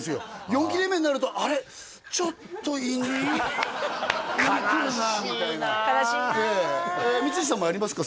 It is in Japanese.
４切れ目になると「あれ？ちょっと胃に」「胃にくるな」みたいな悲しいなええ光石さんもありますか？